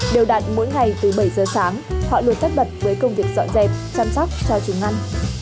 đều đặn mỗi ngày từ bảy giờ sáng họ luôn tất bật với công việc dọn dẹp chăm sóc cho chúng ăn